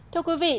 thưa quý vị